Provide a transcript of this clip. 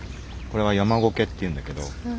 これは山苔っていうんだけど。